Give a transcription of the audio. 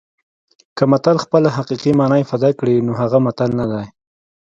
که متل خپله حقیقي مانا افاده کړي نو هغه متل نه دی